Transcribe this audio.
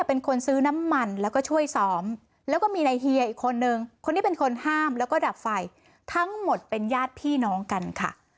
เพราะฉะนั้นคนที่เป็นคนห้ามแล้วก็ดับไฟทั้งหมดเป็นยาดพี่น้องกันค่ะ